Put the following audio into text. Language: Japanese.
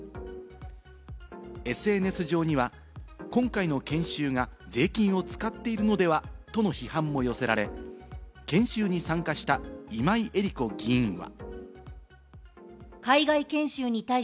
ＳＮＳ上には今回の研修が税金を使っているのでは？との批判も寄せられ、研修に参加した今井絵理子議員は。